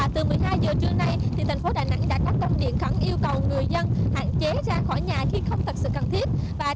từ một mươi hai giờ trưa nay thành phố đà nẵng đã có công điện khẩn yêu cầu người dân hạn chế ra khỏi nhà khi không thật sự cần thiết